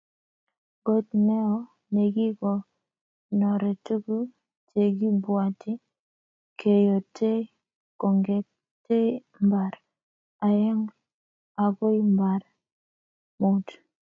Got neo nekikonore tuguk chekibwoti keyotei kongetkei mbar aengr akoi mbar mut